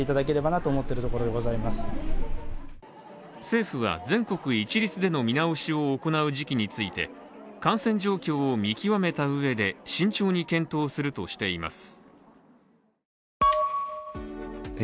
政府は全国一律での見直しを行う時期について感染状況を見極めたうえで慎重に検討するとしています。